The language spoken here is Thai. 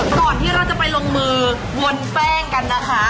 ก่อนที่เราจะไปลงมือวนแป้งกันนะคะ